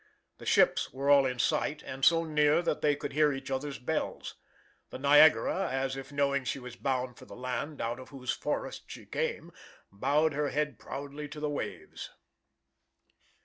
The ships were all in sight, and so near that they could hear each other's bells. The Niagara, as if knowing she was bound for the land out of whose forests she came, bowed her head proudly to the waves.